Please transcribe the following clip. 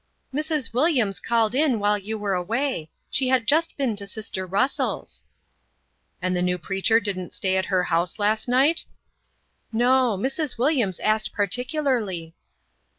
"Mrs. Williams called in while you were away. She had just been to sister Russell's." "And the new preacher didn't stay at her house last night?" "No. Mrs. Williams asked particularly."